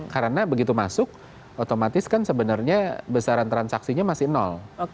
karena begitu masuk otomatis kan sebenarnya besaran transaksinya masih nol